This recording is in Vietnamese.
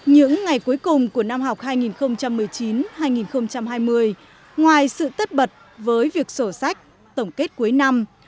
những ngày cuối cùng của năm học hai nghìn một mươi chín hai nghìn hai mươi ngoài sự tất bật với việc sổ sách tổng kết cuối năm